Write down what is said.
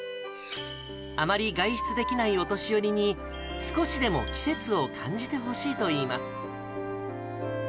あまり外出できないお年寄りに、少しでも季節を感じてほしいといいます。